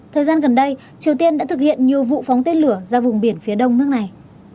thời gian gần đây triều tiên đã thực hiện nhiều vụ phóng tên lửa ra vùng biển phía đông nước này